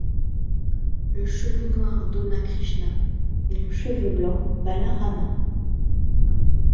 Le cheveu noir donna Krishna et le cheveu blanc Balarāma.